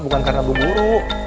bukan karena bu guru